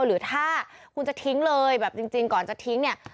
หรือถ้าคุณจะทิ้งเลยแบบจริงก่อนจะทิ้งเนี่ย